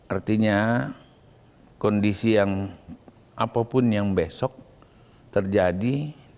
artinya kondisi yang apapun yang besok terjadi